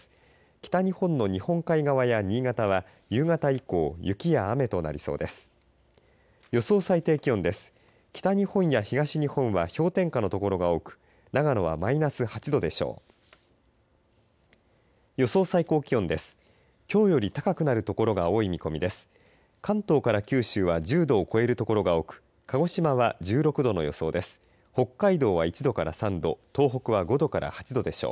北日本や東日本は氷点下の所が多く長野はマイナス８度でしょう。